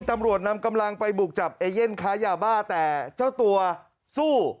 ตำรวจนำกำลังไปบุกจับเอเย่นค้ายาบ้าแต่เจ้าตัวสู้